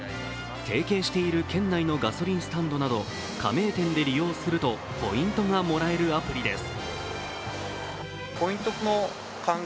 提携している県内のガソリンスタンドなど加盟店で利用するとポイントがもらえるアプリです。